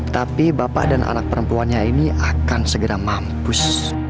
tapi bapak dan anak perempuannya ini akan segera mampus